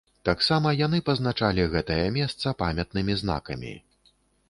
Таксама яны пазначалі гэтае месца памятнымі знакамі.